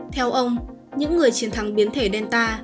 theo ông những người chiến thắng biến thể delta